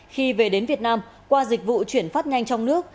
khi về đến việt nam qua dịch vụ chuyển phát nhanh trong nước